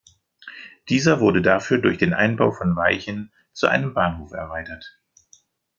Dieser wurde dafür durch den Einbau von Weichen zu einem Bahnhof erweitert.